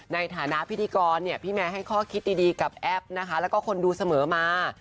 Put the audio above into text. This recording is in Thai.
ในฐานะพิธีกรเนี่ยพี่แมร์ให้ข้อคิดดีกับแอปนะคะแล้วก็คนดูเสมอมา